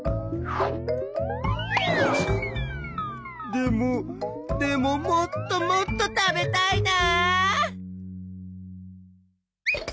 でもでももっともっと食べたいな。